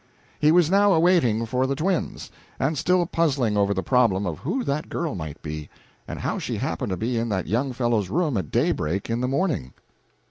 He was now waiting for the twins, and still puzzling over the problem of who that girl might be, and how she happened to be in that young fellow's room at daybreak in the morning.